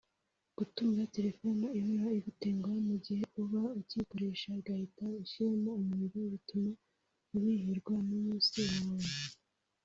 Gutunga telephone ihora igutenguha mugihe uba ukiyikoresha igahita ishiramo umuriro bituma ubihirwa n’umunsi wawe